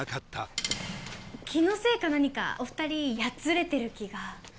気のせいか何かお二人やつれてる気が。